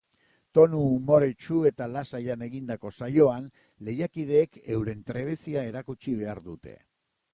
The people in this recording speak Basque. Tonu umoretsu eta lasaian egindako saioan, lehiakideek euren trebezia erakutsi behar dute.